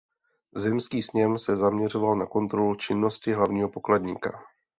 Zemský snem se zaměřoval na kontrolu činnosti hlavního pokladníka.